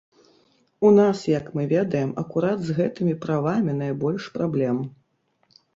У нас, як мы ведаем, акурат з гэтымі правамі найбольш праблем.